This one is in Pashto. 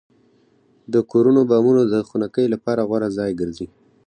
د کورونو بامونه د خنکۍ لپاره غوره ځای ګرځي.